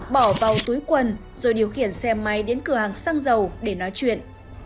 bỏ vào túi quần rồi điều khiển xe máy đến cửa hàng xăng dầu để nói chuyện